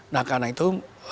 nah karena itu